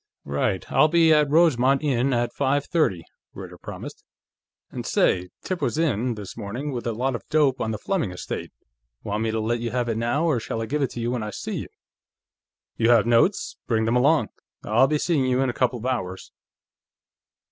"Right. I'll be at Rosemont Inn at five thirty," Ritter promised. "And say, Tip was in, this morning, with a lot of dope on the Fleming estate. Want me to let you have it now, or shall I give it to you when I see you?" "You have notes? Bring them along; I'll be seeing you in a couple of hours."